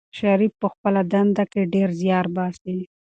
شریف په خپله دنده کې ډېر زیار باسي.